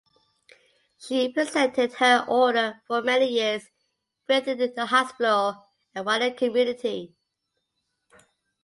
She represented her order for many years within the hospital and wider community.